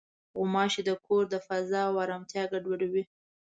غوماشې د کور د فضا ارامتیا ګډوډوي.